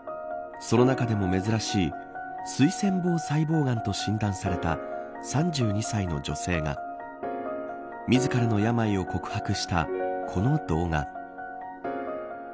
その中でも珍しいすい腺房細胞がんと診断された３２歳の女性が自らの病を告白したこの動画。